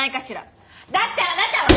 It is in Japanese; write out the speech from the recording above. だってあなたは！